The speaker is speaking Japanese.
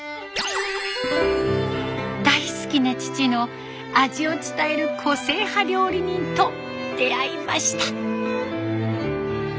大好きな父の味を伝える個性派料理人と出会いました。